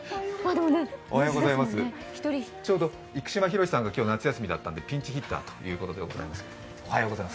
ちょうど生島ヒロシさんが今日、夏休みだったんでピンチヒッターということでございます。